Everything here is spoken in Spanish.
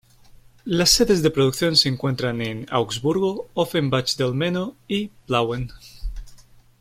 Las sedes de producción se encuentran en Augsburgo, Offenbach del Meno y Plauen.